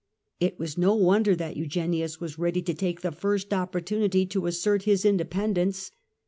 It was no wonder that Eugenius was ready to take the first opportunity to assert his in dependence.